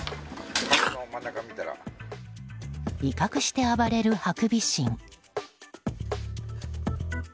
威嚇して暴れるハクビシン。